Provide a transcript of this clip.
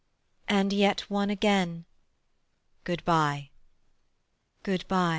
"And yet one again." "Good by." "Good by."